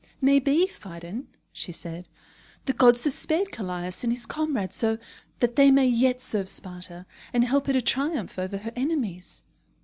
"May be, Phidon," she said, "the gods have spared Callias and his comrades, so that they may yet serve Sparta, and help her to triumph over her enemies."